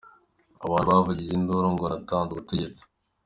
Abantu bavugije induru ngo natanze ubutegetsi.